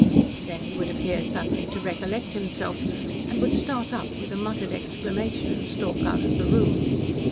Then he would appear suddenly to recollect himself and would start up with a muttered exclamation, and stalk out of the room.